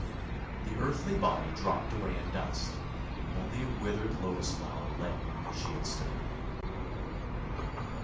The earthly body dropped away in dust — only a withered lotus flower lay where she had stood.